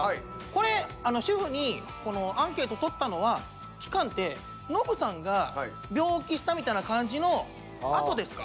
これ主婦にアンケート取ったのは期間ってノブさんが病気したみたいな感じのあとですか？